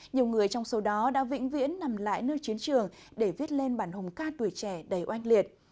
nhiều người trong số đó đã vĩnh viễn nằm lại nơi chiến trường để viết lên bản hùng ca tuổi trẻ đầy oanh liệt